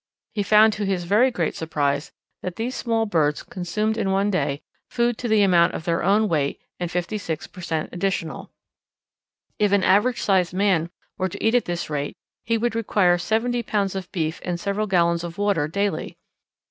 He found to his very great surprise that these small birds consumed in one day food to the amount of their own weight and 56 per cent. additional. If an average sized man were to eat at this rate he would require seventy pounds of beef and several gallons of water daily.